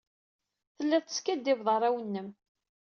Telliḍ teskikkiḍeḍ arraw-nnem.